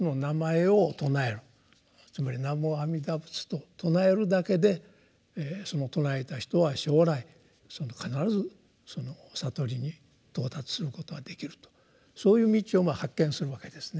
つまり「南無阿弥陀仏」と称えるだけでその称えた人は将来必ずその悟りに到達することができるとそういう道を発見するわけですね。